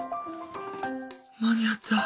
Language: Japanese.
間に合った。